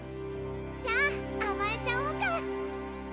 じゃあ甘えちゃおうか！